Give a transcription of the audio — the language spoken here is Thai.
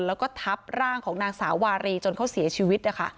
แล้วก็ทับร่างของนางสาววารีจนเขาเสียชีวิตนะคะ